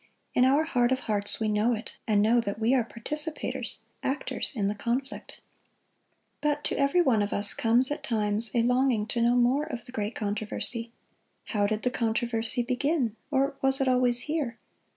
In our heart of hearts we know it, and know that we are participators, actors, in the conflict. But to every one of us comes at times a longing to know more of the great controversy. How did the controversy begin? or was it always here?